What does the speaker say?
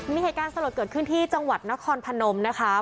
มีเหตุการณ์สลดเกิดขึ้นที่จังหวัดนครพนมนะคะ